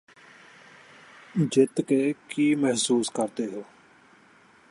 ਜਿੱਤ ਕੇ ਕੀ ਮਹਿਸੂਸ ਕਰਦੇ ਹੋ